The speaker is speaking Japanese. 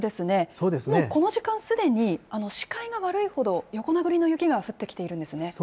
もうこの時間、すでに視界が悪いほど横殴りの雪が降ってきているんですね。